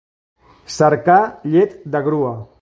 Cercar llet de grua.